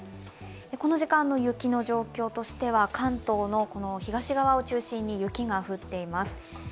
この時間の雪の状況としては関東の東側を中心に雪が降っています。